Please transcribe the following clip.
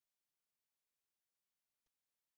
Neḥčun yemma-twen i iklucen.